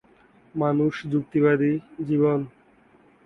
মানুষ যুক্তিবাদী জীবন।